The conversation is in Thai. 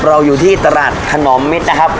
อยู่ที่ตลาดขนอมมิตรนะครับ